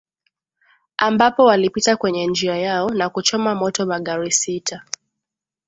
ambapo walipita kwenye njia yao na kuchoma moto magari sita